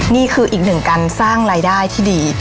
นี่คืออีกหนึ่งการสร้างรายได้ที่ดี